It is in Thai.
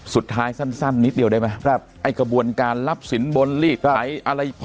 สุดท้ายสั้นสั้นนิดเดียวได้มั้ยครับไอ่กระบวนการรับสินบลลีถไทย